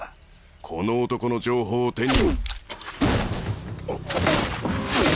この男の情報を手に。